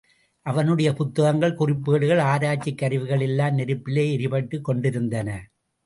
அவனுடைய புத்தகங்கள், குறிப்பேடுகள், ஆராய்ச்சிக் கருவிகள் எல்லாம் நெருப்பிலே எரிபட்டுக் கொண்டிருந்தன.